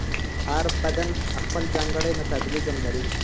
هر بدن خپل ځانګړی میتابولیزم لري.